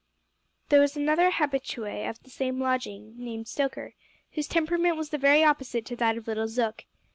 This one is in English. There was another habitue of the same lodging, named Stoker, whose temperament was the very opposite to that of little Zook.